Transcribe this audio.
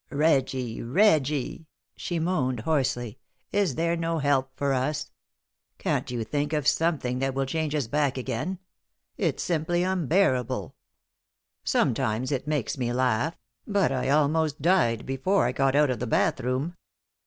"Reggie! Reggie!" she moaned, hoarsely, "is there no help for us? Can't you think of something that will change us back again? It's simply unbearable. Sometimes it makes me laugh, but I almost died before I got out of the bath room.